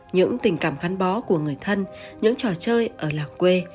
những tình cảm gắn bó của người thân những trò chơi ở làng quê